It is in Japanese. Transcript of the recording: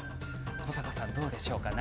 古坂さん、どうでしょうか。